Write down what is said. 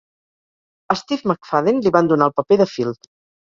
A Steve McFadden li van donar el paper de Phil.